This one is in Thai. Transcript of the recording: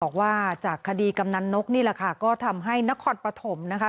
บอกว่าจากคดีกำนันนกนี่แหละค่ะก็ทำให้นครปฐมนะคะ